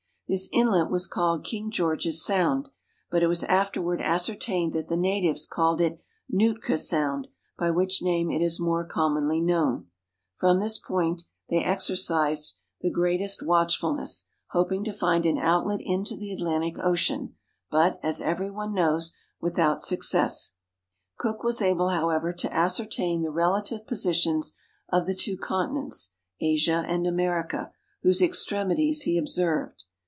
This inlet was called King George's Sound, but it was afterward ascertained that the natives called it Nootka Sound, by which name it is more com monly known. From this point they exercised the S13 ISLANDS OF THE PACIFIC greatest watchfulness, hoping to find an outlet into the Atlantic Ocean, but, as every one knows, without suc cess. Cook was able, however, to ascertain the relative positions of the two continents, Asia and America, whose extremities he observed.